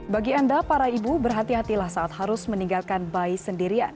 bagi anda para ibu berhati hatilah saat harus meninggalkan bayi sendirian